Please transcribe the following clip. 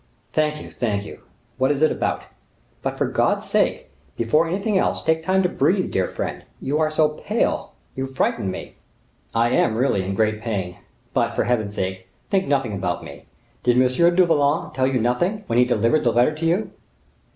"Thank you! thank you! What is it about? But, for God's sake! before anything else, take time to breathe, dear friend. You are so pale, you frighten me." "I am really in great pain. But, for Heaven's sake, think nothing about me. Did M. du Vallon tell you nothing, when he delivered the letter to you?"